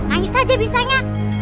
angis aja bisanya